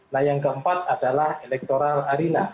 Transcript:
nah yang keempat adalah electoral arena